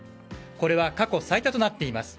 これは過去最多となっています。